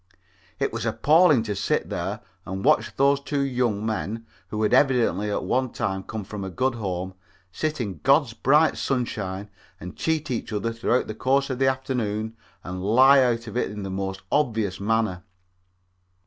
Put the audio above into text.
It was appalling to sit there and watch those two young men, who had evidently at one time come from a good home, sit in God's bright sunshine and cheat each other throughout the course of an afternoon and lie out of it in the most obvious manner.